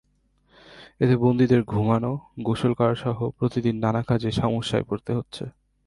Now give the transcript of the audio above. এতে বন্দীদের ঘুমানো, গোসল করাসহ প্রতিদিন নানা কাজে সমস্যায় পড়তে হচ্ছে।